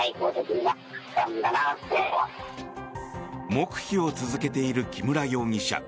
黙秘を続けている木村容疑者。